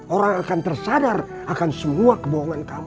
orang akan tersadar akan semua kebohongan kamu